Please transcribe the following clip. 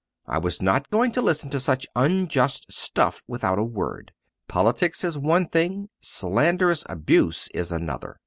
"I was not going to listen to such unjust stuff without a word. Politics is one thing slanderous abuse is another!"